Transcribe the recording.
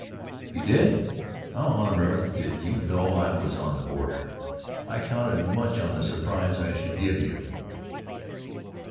"You did? How on earth did you know I was on the border? I counted much on the surprise I should give you."